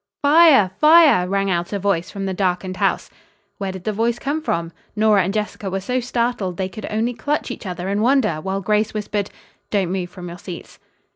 "Fire! Fire!" rang out a voice from the darkened house. Where did the voice come from? Nora and Jessica were so startled they could only clutch each other and wonder, while Grace whispered: "Don't move from your seats."